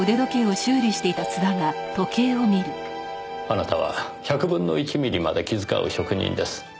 あなたは１００分の１ミリまで気遣う職人です。